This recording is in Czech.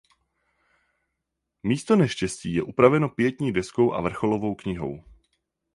Místo neštěstí je upraveno pietní deskou a vrcholovou knihou.